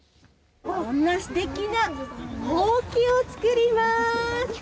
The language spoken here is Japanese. すてきなほうきを作ります。